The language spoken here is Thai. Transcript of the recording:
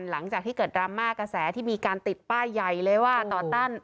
หลังจากที่เกิดดราม่ากระแสที่มีการติดป้ายใหญ่เลยว่าต่อต้าน